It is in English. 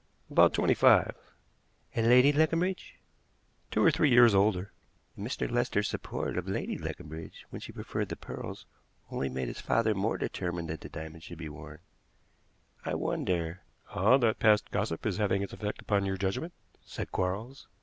"About twenty five." "And Lady Leconbridge?" "Two or three years older." "And Mr. Lester's support of Lady Leconbridge when she preferred the pearls only made his father more determined that the diamonds should be worn. I wonder " "Ah! that past gossip is having its effect upon your judgment," said Quarles.